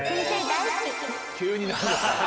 急に何ですか。